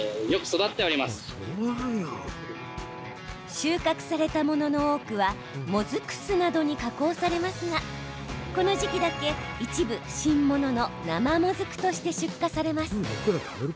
収穫されたものの多くはもずく酢などに加工されますがこの時期だけ、一部新物の「生もずく」として出荷されます。